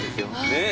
ねえ。